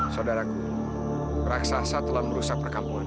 saudaraku raksasa telah merusak perkampungan